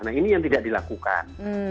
nah ini yang tidak dilakukan